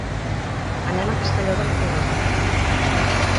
Anem a Castelló de la Ribera.